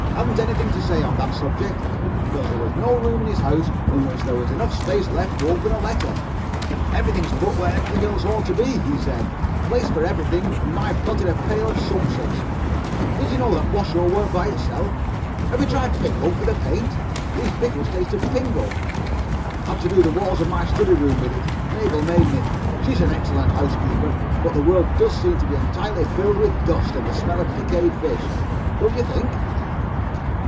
Hadn't anything to say on that subject, because there was no room in his house in which there was enough space left to open a paper. "'Everything's put where everything else ought to be,' he said. 'Place for everything, and my foot in a pail of soapsuds. Did you know that Washo worked by itself? Have you tried Pingo for the paint? These pickles taste of Pingo. Had to do the walls of my study room with it. Mabel made me. She's an excellent housekeeper. But the world does seem to be [Pg 68]entirely filled with dust, and the smell of decayed fish, don't you think?